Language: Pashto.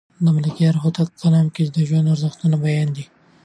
د ملکیار هوتک په کلام کې د ژوند د ارزښتونو بیان دی.